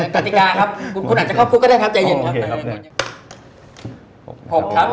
กติกาครับคุณอาจจะเข้าคุกก็ได้ครับใจเย็นครับ